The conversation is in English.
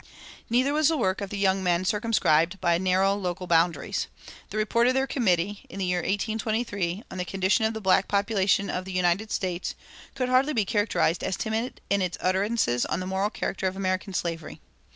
Neither was the work of the young men circumscribed by narrow local boundaries. The report of their committee, in the year 1823, on "The Condition of the Black Population of the United States," could hardly be characterized as timid in its utterances on the moral character of American slavery.